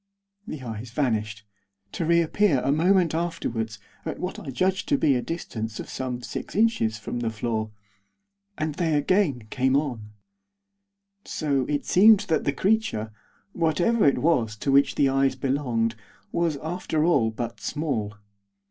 The eyes vanished, to reappear, a moment afterwards, at what I judged to be a distance of some six inches from the floor. And they again came on. So it seemed that the creature, whatever it was to which the eyes belonged, was, after all, but small.